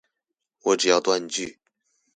我只要斷句